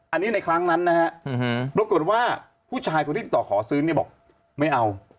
อันนี้ในครั้งนั้นนะฮะปรากฏว่าผู้ชายคนที่ติดต่อขอซื้อเนี่ยบอกไม่เอา